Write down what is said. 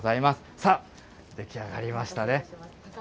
さあ、出来上がりましたね。